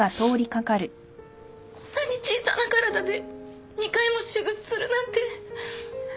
こんなに小さな体で２回も手術するなんて心配で。